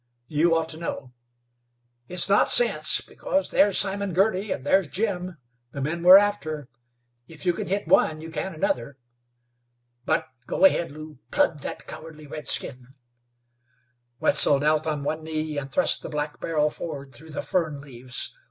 You ought to know. It's not sense, because there's Simon Girty, and there's Jim, the men we're after. If you can hit one, you can another. But go ahead, Lew. Plug that cowardly redskin!" Wetzel knelt on one knee, and thrust the black rifle forward through the fern leaves.